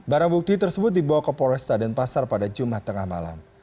barang bukti tersebut dibawa ke polresta denpasar pada jumat tengah malam